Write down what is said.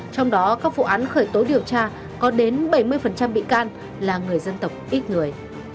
trong đó các vụ án khởi tố điều tra có đến bảy mươi bị can là người dân tộc ít người